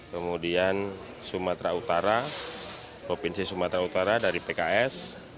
kemudian sumatera utara provinsi sumatera utara dari pks